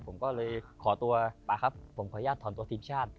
ผมก็เลยขอตัวป๊าครับผมขออนุญาตถอนตัวทีมชาติ